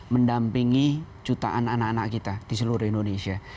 mendampingi jutaan anak anak kita di seluruh indonesia